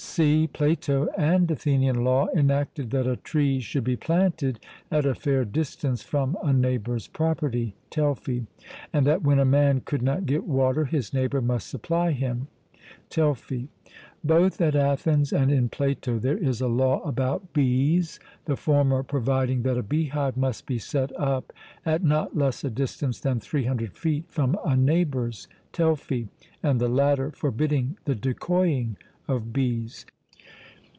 (c) Plato and Athenian law enacted that a tree should be planted at a fair distance from a neighbour's property (Telfy), and that when a man could not get water, his neighbour must supply him (Telfy). Both at Athens and in Plato there is a law about bees, the former providing that a beehive must be set up at not less a distance than 300 feet from a neighbour's (Telfy), and the latter forbidding the decoying of bees.